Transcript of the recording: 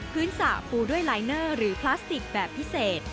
สระปูด้วยลายเนอร์หรือพลาสติกแบบพิเศษ